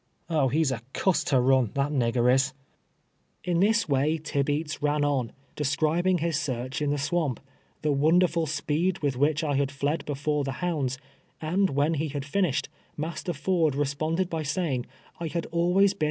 Oh, he's a cuss to run — that nigger is !" In tliis way Tibeats ran on, describing his search in the swamp, the wt)nderful speed Avith Avliich I had fled before the hounds, and Avhen he had liuished, Master Ford responded by saying, I had always been